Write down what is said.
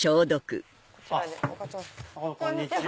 あっこんにちは。